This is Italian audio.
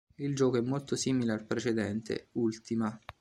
Il gioco è molto simile al precedente, "Ultima".